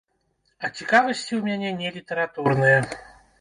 А цікавасці ў мяне не літаратурныя.